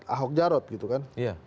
buat ahok jarod gitu kan